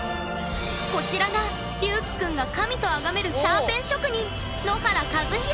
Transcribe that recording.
こちらがりゅうきくんが神とあがめるシャーペン職人